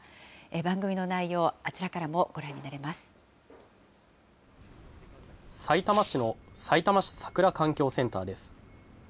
番組の内容、あちらからもご覧にさいたま市のさいたま市桜環境センターです。